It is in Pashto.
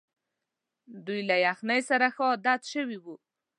دوی له یخنۍ سره ښه عادت شوي وو.